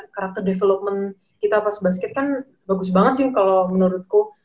karakter development kita pas basket kan bagus banget sih kalau menurutku